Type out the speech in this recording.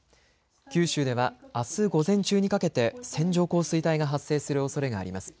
九州ではあす午前中にかけて線状降水帯が発生するおそれがあります。